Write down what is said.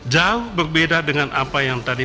jauh berbeda dengan apa yang tadi